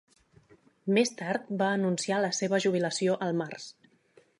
Més tard va anunciar la seva jubilació al març.